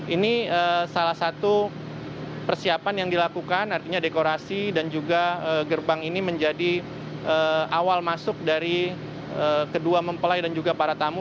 ini salah satu persiapan yang dilakukan artinya dekorasi dan juga gerbang ini menjadi awal masuk dari kedua mempelai dan juga para tamu